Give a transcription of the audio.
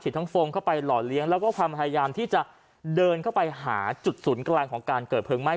ทั้งโฟมเข้าไปหล่อเลี้ยงแล้วก็ความพยายามที่จะเดินเข้าไปหาจุดศูนย์กลางของการเกิดเพลิงไหม้